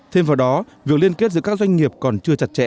thêm vào đó việc liên kết giữa các doanh nghiệp còn chưa chặt chẽ